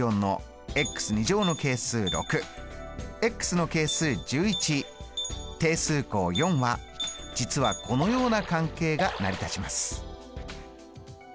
の係数１１定数項４は実はこのような関係が成り立ちます。